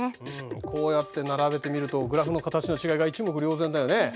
こうやって並べてみるとグラフの形の違いが一目瞭然だよね。